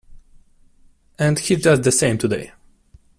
And he's just the same today.